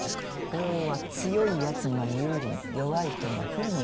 法は強いやつには有利に弱い人には不利に出来てるから。